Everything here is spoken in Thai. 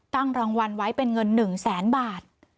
ตั้งรางวัลไว้เป็นเงิน๑แสนบาท